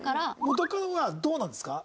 元カノはどうなんですか？